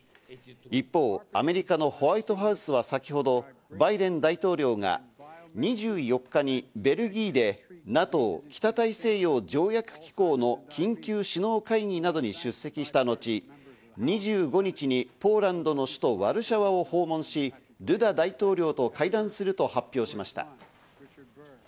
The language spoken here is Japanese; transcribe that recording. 一方、アメリカのホワイトハウスは先ほどバイデン大統領が２４日にベルギーでＮＡＴＯ＝北大西洋条約機構の緊急首脳会議などに出席した後、２５日にポーランドの首都ワルシャワを訪問し、ドゥダ大統領と会談すると発表しました。